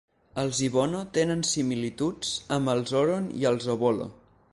Els Ibono tenen similituds amb els Oron i els Obolo.